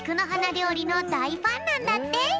りょうりのだいファンなんだって。